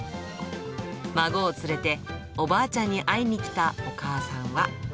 孫を連れて、おばあちゃんに会いに来たお母さんは。